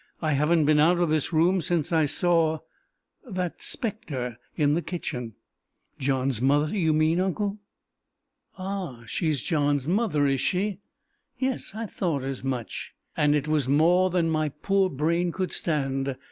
I haven't been out of this room since I saw that spectre in the kitchen." "John's mother, you mean, uncle?" "Ah! she's John's mother, is she? Yes, I thought as much and it was more than my poor brain could stand!